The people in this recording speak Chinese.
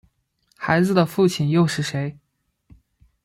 孩子的父亲又是谁？